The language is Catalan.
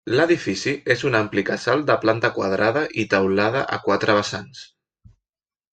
L'edifici és un ampli casal de planta quadrada i teulada a quatre vessants.